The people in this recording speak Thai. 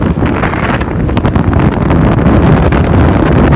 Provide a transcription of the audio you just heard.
เมื่อเวลาเกิดขึ้นมันกลายเป้าหมาย